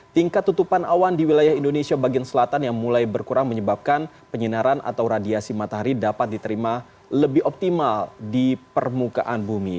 tingkat tutupan awan di wilayah indonesia bagian selatan yang mulai berkurang menyebabkan penyinaran atau radiasi matahari dapat diterima lebih optimal di permukaan bumi